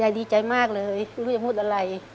ดีใจมากเลยไม่รู้จะพูดอะไร